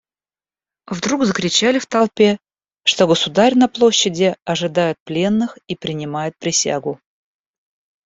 Вдруг закричали в толпе, что государь на площади ожидает пленных и принимает присягу.